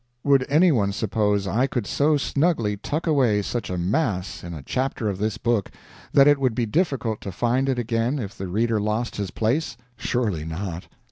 Would any one suppose I could so snugly tuck away such a mass in a chapter of this book that it would be difficult to find it again if the reader lost his place? Surely not.